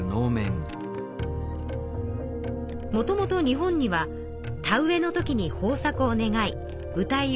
もともと日本には田植えの時に豊作を願い